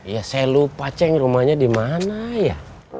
ya saya lupa ceng rumahnya dimana ya